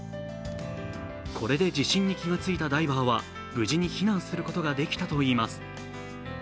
これで地震に気付いたダイバーは無事に避難することができたといいます。